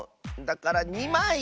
だから２まい！